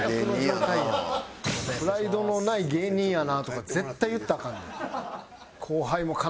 「プライドのない芸人やな」とか絶対言ったらアカンねん。